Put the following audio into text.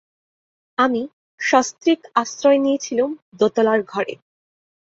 আমি সস্ত্রীক আশ্রয় নিয়েছিলুম দোতলার ঘরে।